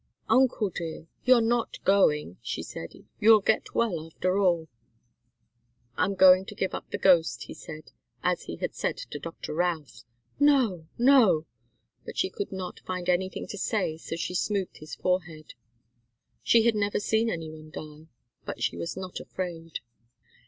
"Uncle dear you're not going," she said. "You'll get well, after all." "I'm going to give up the ghost," he said, as he had said to Doctor Routh. "No no " But she could not find anything to say, so she smoothed his forehead. She had never seen any one die, but she was not afraid.